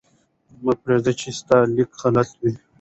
مه پرېږده چې ستا لیکل غلط وي.